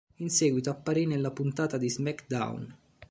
In seguito apparì nella puntata di "SmackDown!